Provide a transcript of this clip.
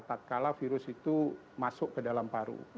tak kalah virus itu masuk ke dalam paru